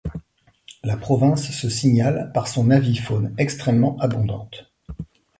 La province se signale par son avifaune extrêmement abondante.